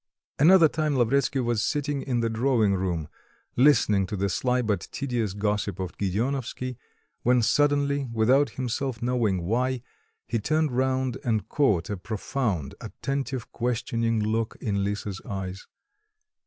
Another time Lavretsky was sitting in the drawing room listening to the sly but tedious gossip of Gedeonovsky, when suddenly, without himself knowing why, he turned round and caught a profound, attentive questioning look in Lisa's eyes....